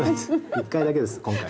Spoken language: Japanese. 一回だけです今回。